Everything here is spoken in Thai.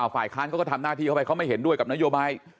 ฝ่ายค้านเขาก็ทำหน้าที่เข้าไปเขาไม่เห็นด้วยกับนโยบาย